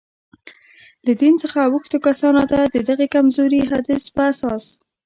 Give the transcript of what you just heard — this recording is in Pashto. له دین څخه اوښتو کسانو ته، د دغه کمزوري حدیث په اساس.